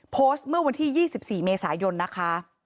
โพสต์เมื่อวันที่๒๔เมษายนนะคะ